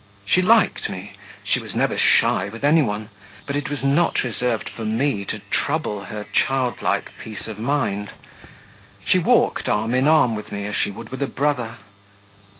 She liked me; she was never shy with any one, but it was not reserved for me to trouble her childlike peace of mind. She walked arm in arm with me, as she would with a brother.